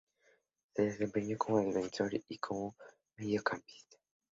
Se desempeña como defensor y como mediocampista.